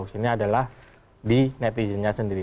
ini adalah di netizennya sendiri